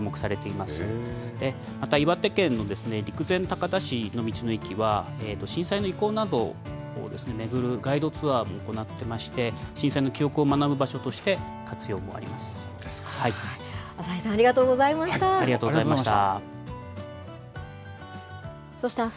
また岩手県の陸前高田市の道の駅は、震災の遺構などを巡るガイドツアーも行ってまして、震災の記憶を学ぶ場所として、活用もあります。